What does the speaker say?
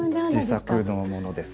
自作のものです。